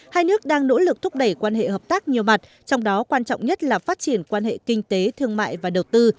hai nước đang nỗ lực thúc đẩy quan hệ hợp tác nhiều mặt trong đó quan trọng nhất là phát triển quan hệ kinh tế thương mại và đầu tư